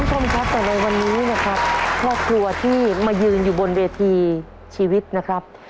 คุณผู้ชมครับแต่ในวันนี้นะครับครอบครัวที่มายืนอยู่บนเวทีชีวิตนะครับ